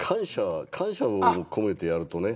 感謝を込めてやるとね